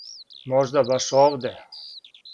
Можда баш овде.